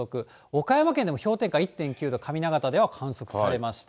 岡山県でも氷点下１．９度、上長田では観測されました。